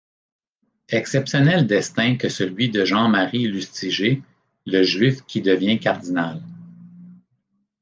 Exceptionnel destin que celui de Jean Marie Lustiger, le juif qui devint cardinal.